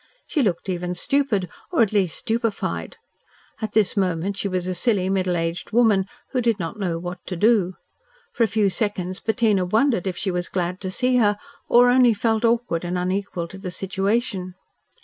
She looked even stupid, or at least stupefied. At this moment she was a silly, middle aged woman, who did not know what to do. For a few seconds Bettina wondered if she was glad to see her, or only felt awkward and unequal to the situation.